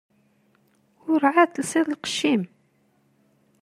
Ur εad telsiḍ lqecc-im?